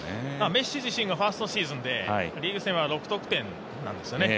メッシ自身がファーストシーズンでリーグ戦は６得点なんですよね。